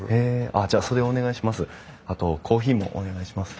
あっじゃあそれお願いします。